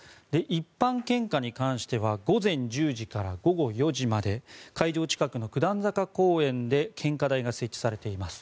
一般献花に関しては午前１０時から午後４時まで会場近くの九段坂公園で献花台が設置されています。